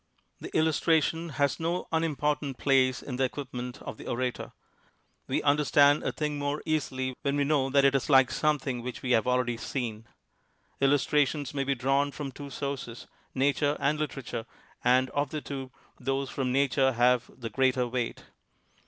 The illustration has no unimportant place in the equipment of the orator. We understand a thing more easily when we know that it is like INTRODUCTION something which we have already seen. Illus trations may be drawn from two sources — nature and literature — and of the two, those from na ture have the greater weight.